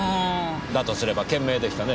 だとすれば賢明でしたね。